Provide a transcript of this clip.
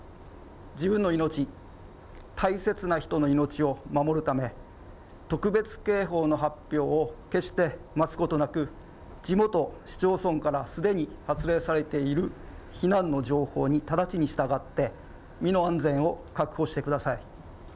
自分の命、大切な人の命を守るため、特別警報の発表を決して待つことなく、地元、市町村からすでに発令されている避難の情報に直ちに従って、身の安全を確保してください。